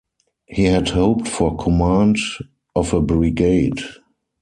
He had hoped for command of a brigade.